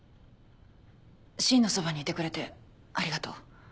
芯のそばにいてくれてありがとう。